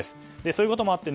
そういうこともあって